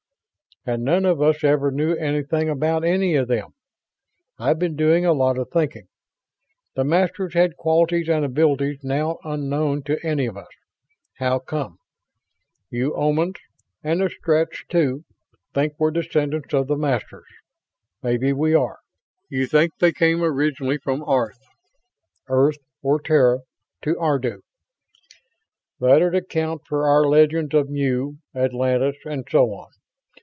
"And none of us ever knew anything about any of them. I've been doing a lot of thinking. The Masters had qualities and abilities now unknown to any of us. How come? You Omans and the Stretts, too think we're descendants of the Masters. Maybe we are. You think they came originally from Arth Earth or Terra to Ardu. That'd account for our legends of Mu, Atlantis and so on.